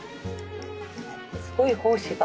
すごい胞子が。